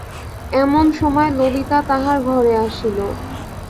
এমন সময় ললিতা তাহার ঘরে আসিল।